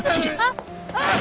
あっ！